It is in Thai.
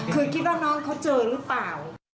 คือคิดว่าน้องเขาเจอหรือเปล่า